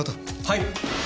はい。